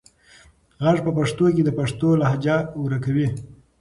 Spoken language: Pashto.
غږ په پښتو کې د پښتو لهجه ورکوي.